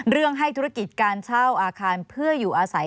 เรื่องให้ธุรกิจการเช่าอาคารเพื่ออยู่อาศัย